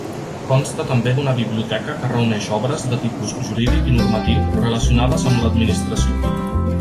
Consta també d'una biblioteca que reuneix obres de tipus jurídic i normatiu relacionades amb l'administració.